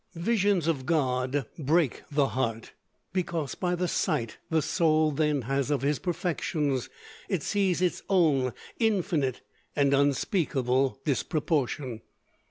"Visions of God break the heart, because, by the sight the soul then has of His perfections, it sees its own infinite and unspeakable disproportion."